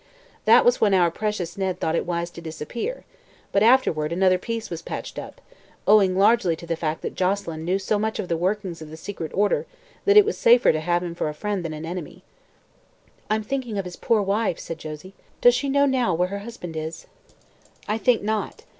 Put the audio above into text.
That was when our precious Ned thought it wise to disappear, but afterward another peace was patched up, owing largely to the fact that Joselyn knew so much of the workings of the secret order that it was safer to have him for a friend than an enemy." "I'm thinking of his poor wife," said Josie. "Does she know now where her husband is?" "I think not.